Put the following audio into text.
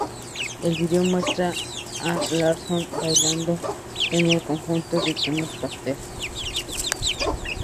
El vídeo muestra a Larsson bailando en conjuntos de tonos pastel.